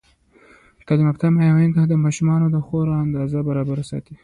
تعلیم یافته میندې د ماشومانو د خوړو اندازه برابره ساتي.